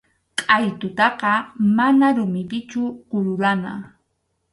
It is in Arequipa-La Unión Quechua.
Qʼaytutaqa mana rumipichu kururana.